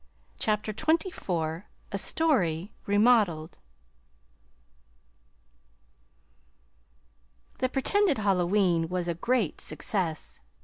CHAPTER XXIV A STORY REMODELED The pretended Halloween was a great success.